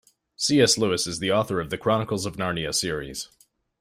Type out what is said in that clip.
C.S. Lewis is the author of The Chronicles of Narnia series.